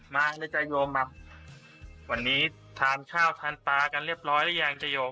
มาเนี้ยใจโยมมาวันนี้ทานข้าวทานปลากันเรียบร้อยแล้วยังใจโยม